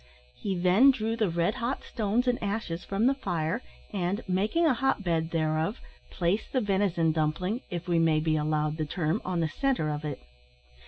He then drew the red hot stones and ashes from the fire, and, making a hot bed thereof, placed the venison dumpling if we may be allowed the term on the centre of it.